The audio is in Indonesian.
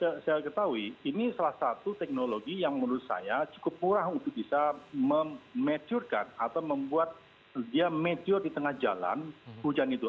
ya saya ketahui ini salah satu teknologi yang menurut saya cukup murah untuk bisa mematurekan atau membuat dia mature di tengah jalan hujan itu